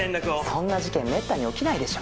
そんな事件めったに起きないでしょ。